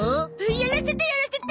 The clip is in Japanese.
やらせてやらせて！